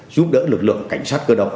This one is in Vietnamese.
giúp đỡ lực lượng cảnh sát cơ động